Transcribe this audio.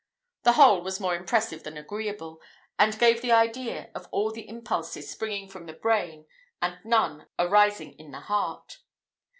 The whole was more impressive than agreeable, and gave the idea of all the impulses springing from the brain, and none arising in the heart.